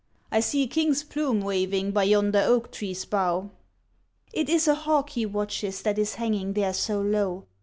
'' I see a king's plume waving by yonder oak tree's bough.' ' It is a hawk he watches, that is hanging there so low.'